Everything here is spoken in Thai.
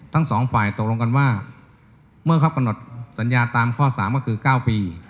ทั้งสองฝ่ายตกลงกันว่าเมื่อเขากำหนดสัญญาตามข้อ๓ก็คือ๙ปี